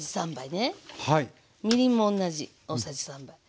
みりんも同じ大さじ３。